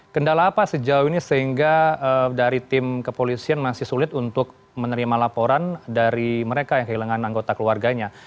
kendala apa sejauh ini sehingga dari tim kepolisian masih sulit untuk menerima laporan dari mereka yang kehilangan anggota keluarganya